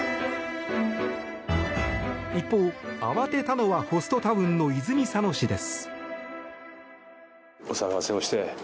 一方、慌てたのはホストタウンの泉佐野市です。